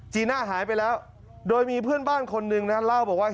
จีน่าหายไปแล้วโดยมีเพื่อนบ้านคนหนึ่งนะเล่าบอกว่า